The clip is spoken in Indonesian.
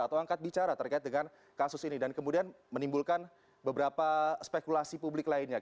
atau angkat bicara terkait dengan kasus ini dan kemudian menimbulkan beberapa spekulasi publik lainnya